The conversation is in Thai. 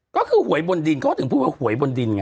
ก็คือหวยบนดินเขาถึงพูดว่าหวยบนดินไง